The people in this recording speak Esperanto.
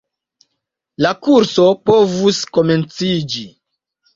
La kurso povus komenciĝi.